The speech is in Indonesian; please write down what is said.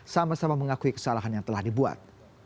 sama sama mengakui kesalahan yang telah dibuat